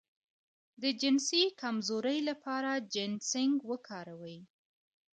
د جنسي کمزوری لپاره جنسینګ وکاروئ